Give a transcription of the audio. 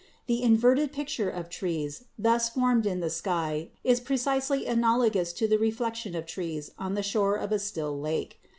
The inverted pic ture of trees thus formed in the sky is precisely analogous to the reflection of trees on the shore of a still lake.